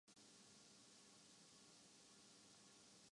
ترین فلم ساز کمپنیز میں سے